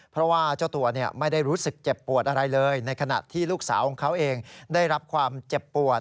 เพราะว่าเจ้าตัวไม่ได้รู้สึกเจ็บปวดอะไรเลยในขณะที่ลูกสาวของเขาเองได้รับความเจ็บปวด